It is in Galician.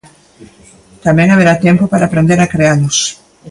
Tamén haberá tempo para aprender a crealos.